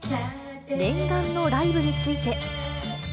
念願のライブについて。